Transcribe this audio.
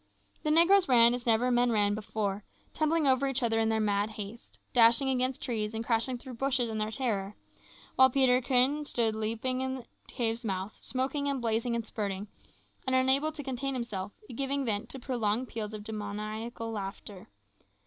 The negroes ran as never men ran before, tumbling over each other in their mad haste, dashing against trees and crashing through bushes in their terror, while Peterkin stood leaping in the cave's mouth, smoking and blazing and spurting, and unable to contain himself, giving vent to prolonged peals of demoniacal laughter.